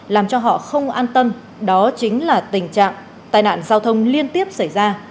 làm cho họ không an tâm đó chính là tình trạng tai nạn giao thông liên tiếp xảy ra